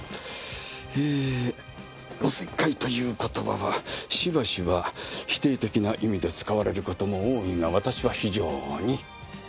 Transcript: えーお節介という言葉はしばしば否定的な意味で使われる事も多いが私は非常に。